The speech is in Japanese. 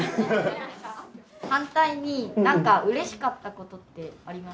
反対に何か嬉しかったことってありますか？